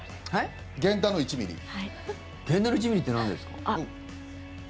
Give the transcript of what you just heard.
源田の１ｍｍってなんですか？